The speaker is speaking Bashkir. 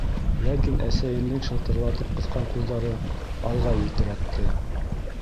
Ләкин әсәйемдең шытырлатып ҡыҫҡан ҡулдары алға елтерәтте.